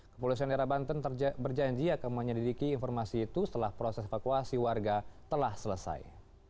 kepolisian daerah banten berjanji akan menyelidiki informasi itu setelah proses evakuasi warga telah selesai